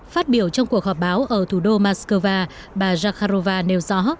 phát biểu trong cuộc họp báo ở thủ đô moscow bà zakharova nêu gió